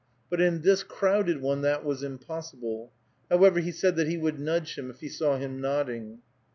But in this crowded one that was impossible. However, he said that he would nudge him if he saw him nodding.